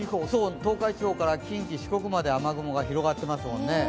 東海地方から近畿、四国まで雨雲が広がってますもんね。